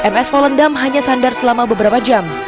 ms volendam hanya sandar selama beberapa jam